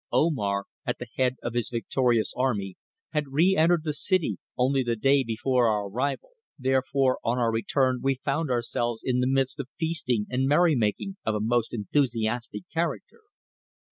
Omar, at the head of his victorious army, had re entered the city only the day before our arrival, therefore on our return we found ourselves in the midst of feasting and merry making of a most enthusiastic character.